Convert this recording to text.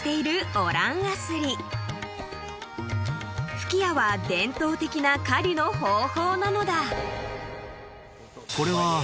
［吹き矢は伝統的な狩りの方法なのだ］